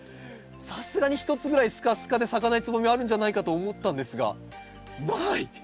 さすがに一つぐらいスカスカで咲かないつぼみあるんじゃないかと思ったんですがない。